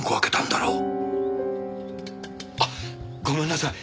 あっごめんなさい。